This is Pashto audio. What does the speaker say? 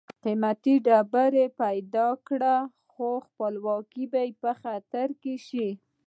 قیمتي ډبرې پیدا کړي نو خپلواکي به یې په خطر کې شي.